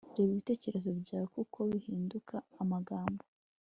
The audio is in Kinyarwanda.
reba ibitekerezo byawe, kuko bihinduka amagambo